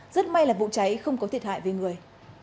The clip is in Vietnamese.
rất may là vụ cháy không có thiệt hại về người